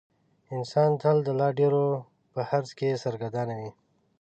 انسان تل د لا ډېرو په حرص کې سرګردانه وي.